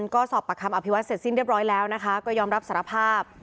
ก็สอบปากคำอภิวัตเสร็จสิ้นเรียบร้อยแล้วนะคะก็ยอมรับสารภาพ